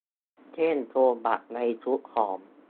เส้นโซบะในซุปหอม